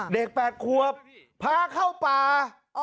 เด็กแปดครัวพาเข้าป่า